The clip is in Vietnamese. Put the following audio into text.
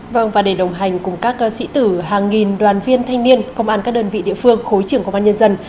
vâng và để đồng hành cùng các sĩ tử hàng nghìn đoàn viên thanh niên công an các đơn vị địa phương khối trưởng công an nhân dân